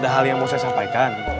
ada hal yang mau saya sampaikan